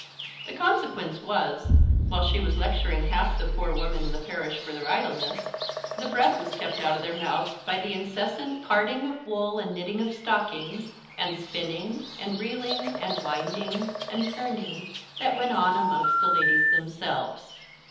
The consequence was, while she was lecturing half the poor women in the parish for their idleness, the bread was kept out of their mouths by the incessant carding of wool and knitting of stockings, and spinning, and reeling, and winding, and pirning, that went on amongst the ladies themselves.